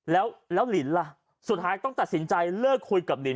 แล้วหลินล่ะสุดท้ายต้องตัดสินใจเลิกคุยกับลิน